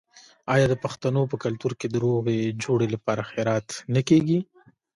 آیا د پښتنو په کلتور کې د روغې جوړې لپاره خیرات نه کیږي؟